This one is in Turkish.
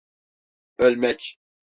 Ölmek.